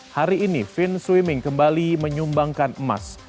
hari ini fin swimming kembali menyumbangkan emas